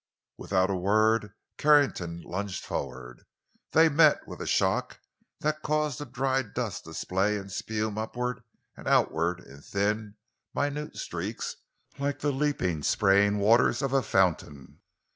Without a word, Carrington lunged forward. They met with a shock that caused the dry dust to splay and spume upward and outward in thin, minute streaks like the leaping, spraying waters of a fountain.